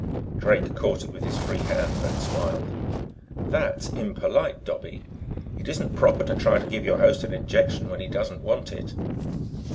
Drake caught it with his free hand and smiled. "That's impolite, Dobbie. It isn't proper to try to give your host an injection when he doesn't want it."